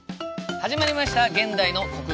始まりました「現代の国語」。